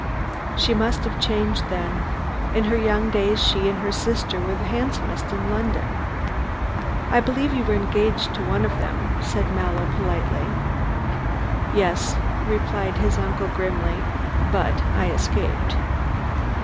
"She must have changed then. In her young days she and her sister were the handsomest women in London." "I believe you were engaged to one of them," said Mallow politely. "Yes," replied his uncle grimly. "But I escaped."